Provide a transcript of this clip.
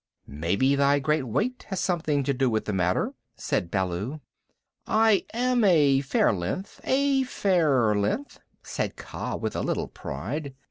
"Maybe thy great weight has something to do with the matter," said Baloo. "I am a fair length a fair length," said Kaa with a little pride.